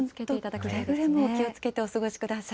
くれぐれも気をつけてお過ごしください。